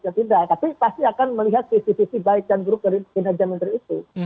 ya tidak tapi pasti akan melihat visi visi baik dan buruk dari kinerja menteri itu